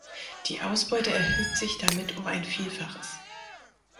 Die Ausbeute erhöht sich damit um ein Vielfaches.